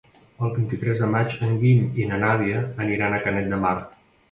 El vint-i-tres de maig en Guim i na Nàdia aniran a Canet de Mar.